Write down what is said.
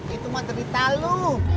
itu mah cerita lo